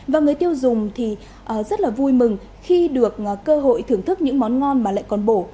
và người tiêu dùng thì rất là vui mừng khi được cơ hội thưởng thức những món ngon mà lại còn bổ